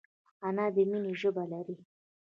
انا د مینې ژبه لري